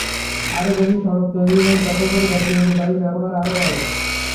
আরও বেশি সড়ক তৈরি হোক, যাতে করে ব্যক্তিগত গাড়ির ব্যবহার আরও বাড়ে।